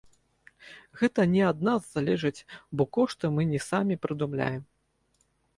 Гэта не ад нас залежыць, бо кошты мы не самі прыдумляем.